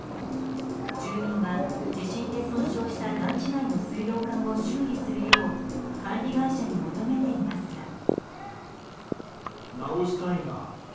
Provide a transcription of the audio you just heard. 住民は、地震で損傷した団地内の水道管を修理するよう管理会社に求めていますが。